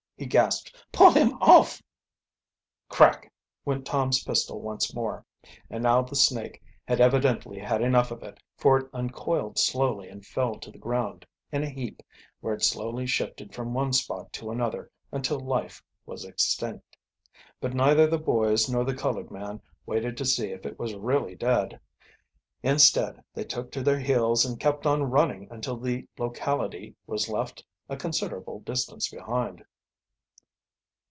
he gasped. "Pull him off!" Crack! went Tom's pistol once more, and now the snake had evidently had enough of it, for it uncoiled slowly and fell to the ground in a heap, where it slowly shifted from one spot to another until life was extinct. But neither the boys nor the colored man waited to see if it was really dead. Instead, they took to their heels and kept on running until the locality was left a considerable distance behind.